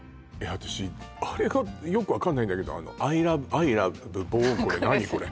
私あれがよくわかんないんだけどアイラブボウこれ何これ？